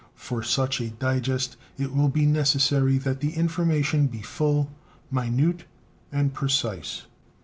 For such a digest it will be necessary that the information be full, minute, and precise.